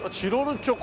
チョコ？